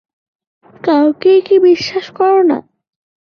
কাউকেই কি বিশ্বাস করো না?